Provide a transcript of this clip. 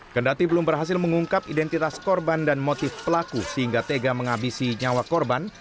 kendati belum berhasil mengungkap identitas korban dan motif pelaku sehingga tega menghabisi nyawa korban